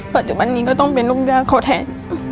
ปัจจุบันนี้ก็ต้องเป็นลูกจ้างเขาแทน